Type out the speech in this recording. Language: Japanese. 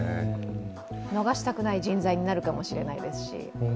逃したくない人材になるかもしれないですし。